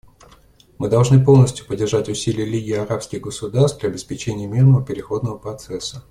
Мы должны полностью поддержать усилия Лиги арабских государств для обеспечения мирного переходного процесса.